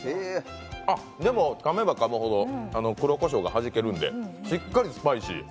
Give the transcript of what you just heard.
でも、かめばかむほど黒こしょうがはじけるんでしっかりスパイシー。